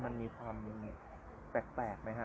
มันมีความแปลกไหมฮะ